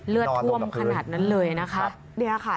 เลือดท่วมขนาดนั้นเลยนะคะ